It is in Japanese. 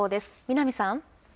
南さん。